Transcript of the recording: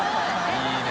いいね。